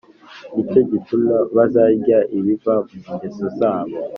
Ni cyo gituma bazarya ibiva mu ngeso zab